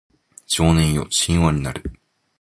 少年よ神話になれ